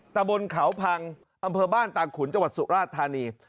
ตะบนเขาพังอำเภอบ้านตาขุนจังหวัดสุราชธานี